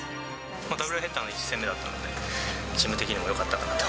ダブルヘッダーの１戦目だったので、チーム的にもよかったかなと。